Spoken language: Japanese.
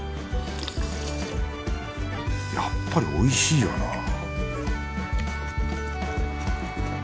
やっぱりおいしいよな